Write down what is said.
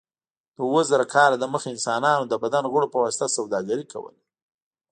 د اوه زره کاله دمخه انسانانو د بدن غړو په واسطه سوداګري کوله.